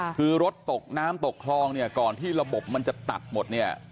คือรถตกน้ำตกคลองเนี่ยก่อนที่ระบบมันจะตัดหมดเนี่ย